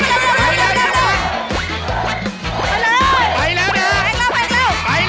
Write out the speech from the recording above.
เสร็จแล้วมานี่เลย